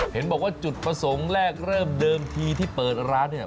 เห็นบอกว่าจุดประสงค์แรกเริ่มเดิมทีที่เปิดร้านเนี่ย